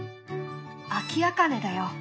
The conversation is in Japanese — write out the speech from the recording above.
アキアカネだよ。